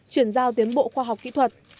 chuyển giao tiến bộ khoa học kỹ thuật